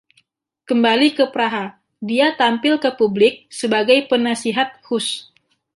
Kembali ke Praha, dia tampil ke publik sebagai penasihat Hus.